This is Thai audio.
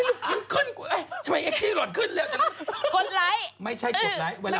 ยังขึ้นเรื่องแอคจี้ล่ะ